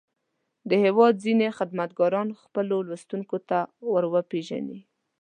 د هېواد ځينې خدمتګاران خپلو لوستونکو ته ور وپېژني.